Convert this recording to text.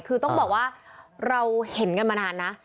คือต้องบอกว่าเราเห็นกันมานานนะ